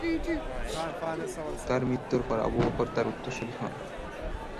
তার মৃত্যুর পর আবু বকর তার উত্তরসুরি হন।